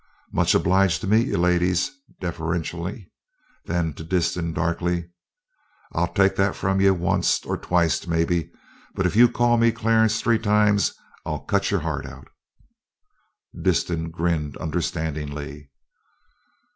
"Much obliged to meet you, ladies," deferentially. Then to Disston, darkly: "I'll take that from you onct, or twict, maybe, but if you call me Clarence three times I'll cut your heart out." Disston grinned understandingly.